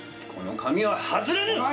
この髪は外れぬ！